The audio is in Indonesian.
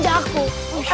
kalau aku aja jago